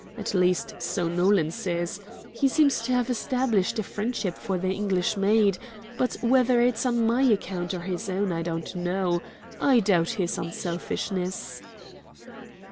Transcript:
At least, so Nolan says. He seems to have established a friendship for their English maid, but whether it's on my account or his own I don't know. I doubt his unselfishness."